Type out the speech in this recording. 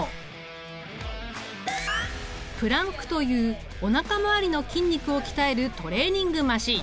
プランクというおなか回りの筋肉を鍛えるトレーニングマシン。